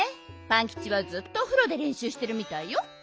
パンキチはずっとおふろでれんしゅうしてるみたいよ。